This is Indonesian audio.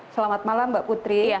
selamat malam mbak putri